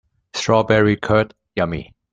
Strawberry curd, yummy!